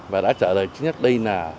và đã trả lời chính nhất đây là